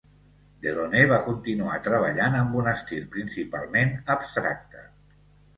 Delaunay va continuar treballant amb un estil principalment abstracte.